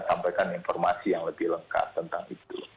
sampaikan informasi yang lebih lengkap tentang itu